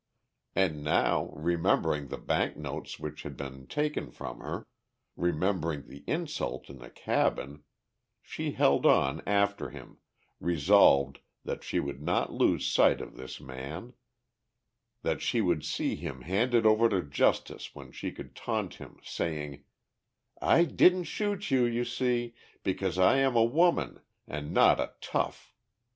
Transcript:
And now, remembering the bank notes which had been taken from her, remembering the insult in the cabin, she held on after him, resolved that she would not lose sight of this man, that she would see him handed over to justice when she could taunt him, saying: "I didn't shoot you, you see, because I am a woman and not a tough.